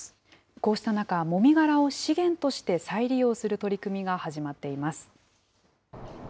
こうした中、もみ殻を資源として再利用する取り組みが始まっています。